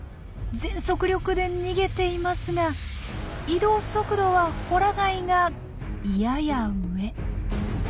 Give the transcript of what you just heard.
全速力で逃げていますが移動速度はホラガイがやや上。